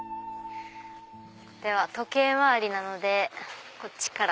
では時計回りなのでこっちから。